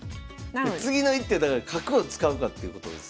次の一手だから角を使うかっていうことですよね？